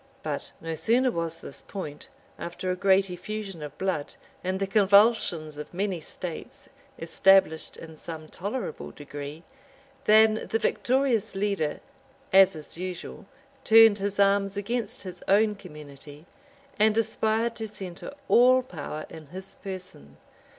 But no sooner was this point, after a great effusion of blood, and the convulsions of many states, established in some tolerable degree, than the victorious leader as is usual, turned his arms against his own community, and aspired to centre all power in his person.